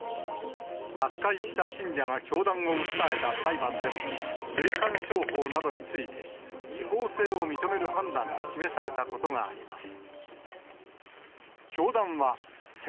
脱会した信者が教団を訴えた裁判でも、霊感商法などについて、違法性を認める判断が示されたことがあります。